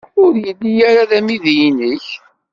Ur yelli ara d amidi-nnek?